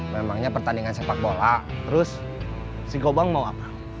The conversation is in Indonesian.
memangnya pertandingan sepak bola terus si gobang mau apa